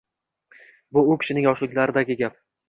Bu u kishining yoshliklaridagi gap.